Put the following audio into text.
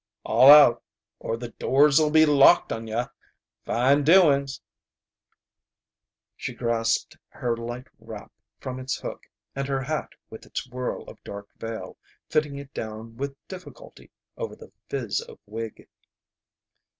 "All out or the doors 'll be locked on yuh! Fine doings!" She grasped her light wrap from its hook, and her hat with its whirl of dark veil, fitting it down with difficulty over the fizz of wig.